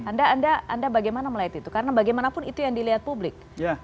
anda bagaimana melihat itu karena bagaimanapun itu yang dilihat publik